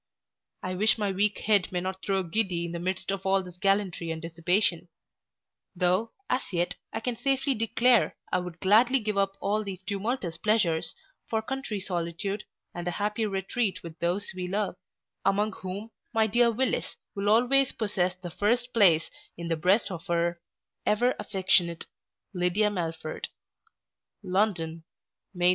I wish my weak head may not grow giddy in the midst of all this gallantry and dissipation; though, as yet, I can safely declare, I could gladly give up all these tumultuous pleasures, for country solitude, and a happy retreat with those we love; among whom, my dear Willis will always possess the first place in the breast of her Ever affectionate, LYDIA MELFORD LONDON, May 31.